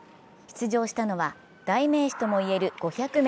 出場したのは、代名詞ともいえる５００ｍ。